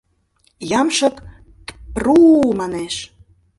Ямшык тпру-у! манеш.